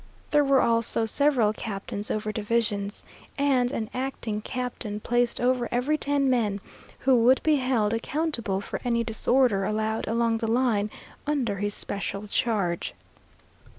There were also several captains over divisions, and an acting captain placed over every ten men, who would be held accountable for any disorder allowed along the line under his special charge.